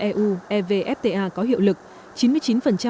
eu evfta có hiệu lực